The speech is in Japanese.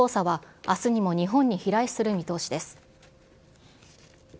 この黄砂はあすにも日本に飛来する見通しです。